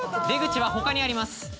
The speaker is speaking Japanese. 出口は他にあります。